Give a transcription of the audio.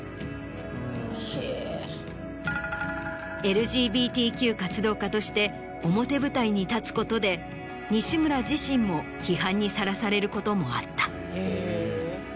ＬＧＢＴＱ活動家として表舞台に立つことで西村自身も批判にさらされることもあった。